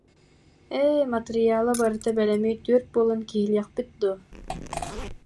Ээ, матырыйаала барыта бэлэми түөрт буолан киһилиэхпит дуо